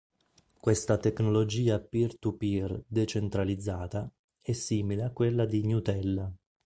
Questa tecnologia peer-to-peer decentralizzata, è simile a quella di Gnutella.